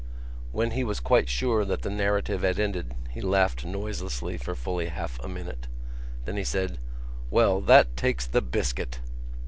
When he was quite sure that the narrative had ended he laughed noiselessly for fully half a minute. Then he said: "Well!... That takes the biscuit!"